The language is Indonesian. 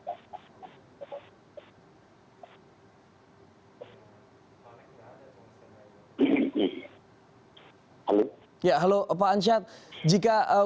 boleh dikatakan adalah perangkat yang sangat mudah berlaku dalam perangkat tersebut